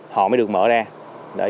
họ mới được mở ra